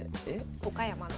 岡山の。